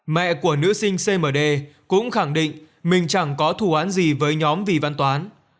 mẹ của nữ sinh cmd cũng khẳng định mình chẳng có thù án gì với nhóm vì văn toán